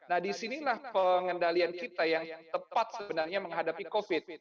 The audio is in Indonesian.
nah disinilah pengendalian kita yang tepat sebenarnya menghadapi covid